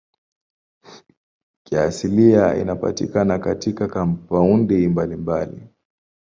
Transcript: Kiasili inapatikana katika kampaundi mbalimbali.